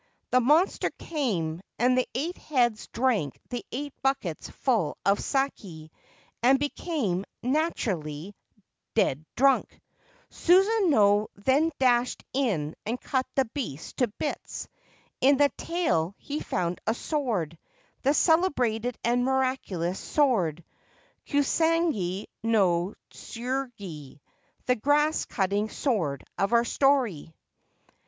The monster came, and the eight heads drank the eight buckets full of sake, and became, naturally, 57 8 Ancient Tales and Folklore of Japan dead drunk. Susanoo then dashed in and cut the beast to bits. In the tail he found a sword — the celebrated and miraculous sword ' Kusanagi no Tsurugi,' the grass cutting sword of our story.)